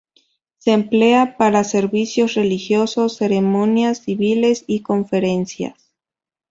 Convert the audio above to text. Se emplea para servicios religiosos, ceremonias civiles y conferencias.